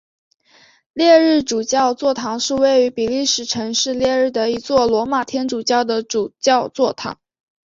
列日主教座堂是位于比利时城市列日的一座罗马天主教的主教座堂。